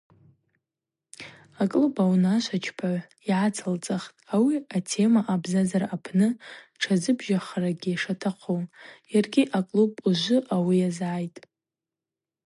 Аклуб аунашвачпагӏв йгӏацылцӏахтӏ ауи атема абзазара апны тшазыбжьахрагьи шатахъу, "йаргьи аклуб ужвы ауи йазгӏайтӏ".